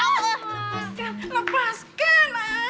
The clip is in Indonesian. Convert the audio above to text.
lepaskan lepaskan mas